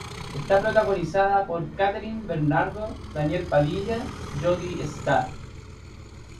Está protagonizada por Kathryn Bernardo, Daniel Padilla, Jodi Sta.